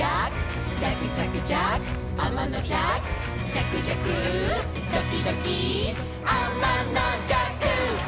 「じゃくじゃくドキドキあまのじゃく」